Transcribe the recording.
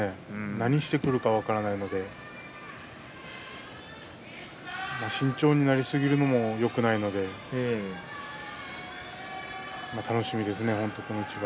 何をしてくるか分からないので慎重になりすぎるのもよくないので楽しみですね、この一番。